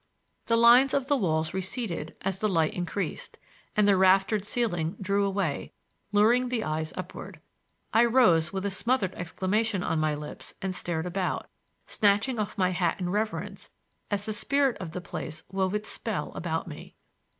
The lines of the walls receded as the light increased, and the raftered ceiling drew away, luring the eyes upward. I rose with a smothered exclamation on my lips and stared about, snatching off my hat in reverence as the spirit of the place wove its spell about me.